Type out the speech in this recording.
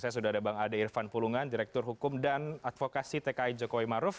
saya sudah ada bang ade irfan pulungan direktur hukum dan advokasi tki jokowi maruf